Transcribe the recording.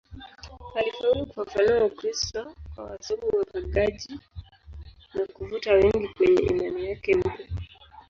Alifaulu kufafanua Ukristo kwa wasomi wapagani na kuvuta wengi kwenye imani yake mpya.